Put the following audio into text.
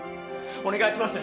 お願いします！